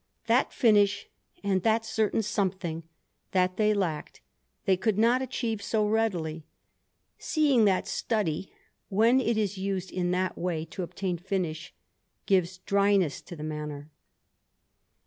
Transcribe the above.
That finish, and that certain something that they lacked, they could not achieve so readily, seeing that study, when it is used in that way to obtain finish, gives dryness to the manner.